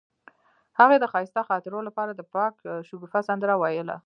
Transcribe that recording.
هغې د ښایسته خاطرو لپاره د پاک شګوفه سندره ویله.